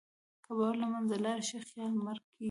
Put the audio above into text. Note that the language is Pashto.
که باور له منځه لاړ شي، خیال مړ کېږي.